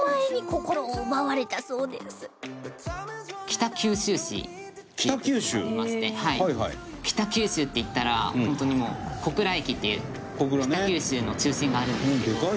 北九州っていったら本当にもう小倉駅っていう北九州の中心があるんですけども。